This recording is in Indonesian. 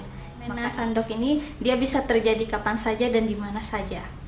fenomena sandok ini dia bisa terjadi kapan saja dan dimana saja